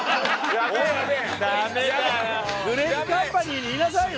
グレープカンパニーに言いなさいよ